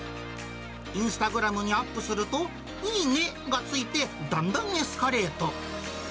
インスタグラムにアップすると、いいねがついて、だんだんエスカレート。